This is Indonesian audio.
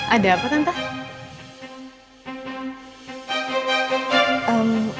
ada apa tante